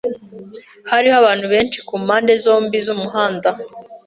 Hariho abantu benshi kumpande zombi z'umuhanda.